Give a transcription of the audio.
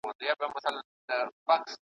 هغه په دغه لنډ عمر کي دونه لیکني وکړې ,